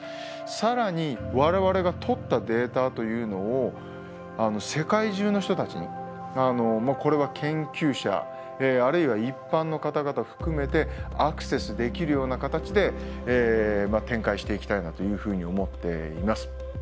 更に我々がとったデータというのを世界中の人たちにこれは研究者あるいは一般の方々含めてアクセスできるような形で展開していきたいなというふうに思っています。